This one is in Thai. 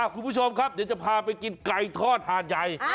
คุณผู้ชมครับเดี๋ยวจะพาไปกินไก่ทอดหาดใหญ่